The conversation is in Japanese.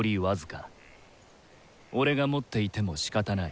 オレが持っていてもしかたナイ。